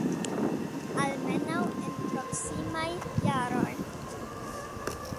Almenaŭ, en proksimaj jaroj.